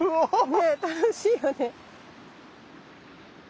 ね楽しいよね。